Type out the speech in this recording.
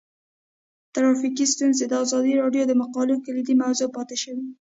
ټرافیکي ستونزې د ازادي راډیو د مقالو کلیدي موضوع پاتې شوی.